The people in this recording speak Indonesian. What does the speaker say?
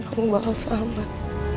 kamu bakal selamat